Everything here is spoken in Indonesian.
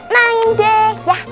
naik deh yah